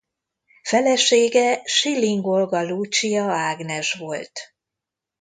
Felesége Schilling Olga Lucia Ágnes volt.